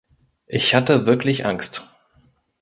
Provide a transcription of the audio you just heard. Ich hatte wirklich Angst.